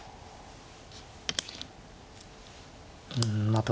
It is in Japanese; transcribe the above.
うんまあ